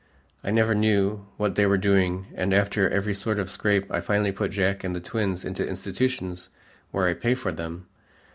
I never knew what they were doing, and after every sort of a scrape I finally put Jack and the twins into institutions where I pay for them.